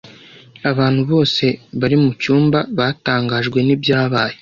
Abantu bose bari mucyumba batangajwe nibyabaye.